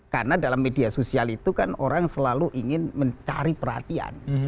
karena dalam media sosial itu kan orang selalu ingin mencari perhatian